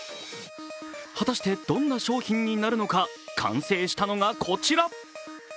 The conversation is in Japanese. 果たしてどんな商品になるのか完成したのがこちら。